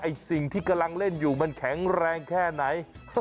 สิ่งที่กำลังเล่นอยู่มันแข็งแรงแค่ไหน